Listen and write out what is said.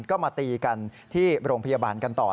ก็มาตีกันที่โรงพยาบาลกันต่อ